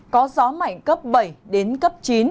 có gió mạnh cấp bảy đến cấp chín